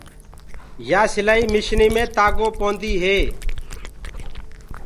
يآ سِلآئي مشني مي تآگو پوندي هي۔